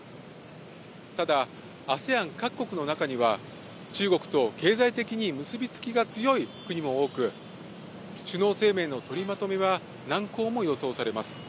ただ、ＡＳＥＡＮ各国の中には、中国と経済的に結び付きが強い国も多く、首脳声明の取りまとめは難航も予想されます。